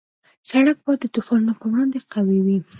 سړک باید د طوفانونو په وړاندې قوي وي.